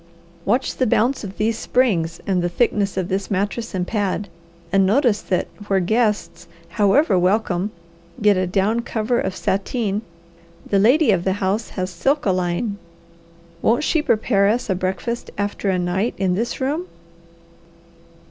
Watch the bounce of these springs and the thickness of this mattress and pad, and notice that where guests, however welcome, get a down cover of sateen, the lady of the house has silkaline. Won't she prepare us a breakfast after a night in this room?"